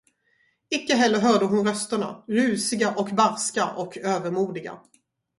Icke heller hörde hon rösterna, rusiga och barska och övermodiga.